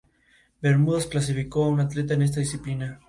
Hewlett Harbor se encuentra dentro del pueblo de Hempstead.